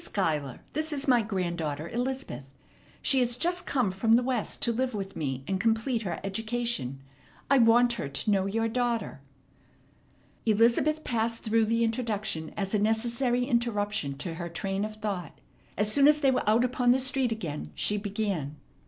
Schuyler, this is my granddaughter, Elizabeth. She has just come from the West to live with me and complete her education. I want her to know your daughter." Elizabeth passed through the introduction as a necessary interruption to her train of thought. As soon as they were out upon the street again she began.